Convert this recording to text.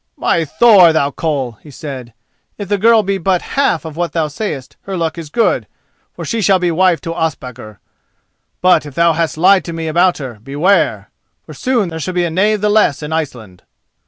"By Thor, thou Koll," he said, "if the girl be but half of what thou sayest, her luck is good, for she shall be wife to Ospakar. But if thou hast lied to me about her, beware! for soon there shall be a knave the less in Iceland."